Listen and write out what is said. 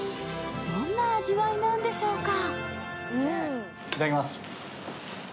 どんな味わいなんでしょうか？